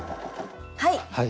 はい。